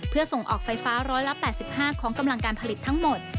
เพื่อส่งออกไฟฟ้า๑๘๕ของกำลังการผลิตทั้งหมด